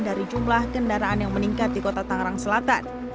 dari jumlah kendaraan yang meningkat di kota tangerang selatan